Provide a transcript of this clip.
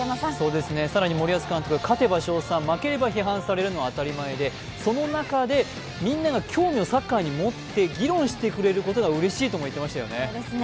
更に森保監督、勝てば称賛、負ければ批判されるのは当たり前でその中でみんなが興味をサッカーに持って議論してくれることがうれしいとも言ってましたよね。